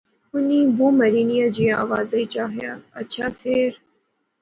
انیں بہوں مری نیاں جیا آواز وچ آخیا۔۔۔ اچھا فیر